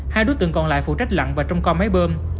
hai đối tượng còn lại phụ trách lặn và trong co máy bơm